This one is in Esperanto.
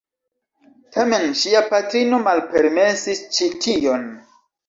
Tamen ŝia patrino malpermesis ĉi-tion.